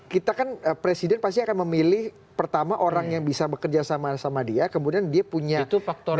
kita kan presiden pasti akan memilih pertama orang yang bisa bekerja sama dia kemudian dia punya faktor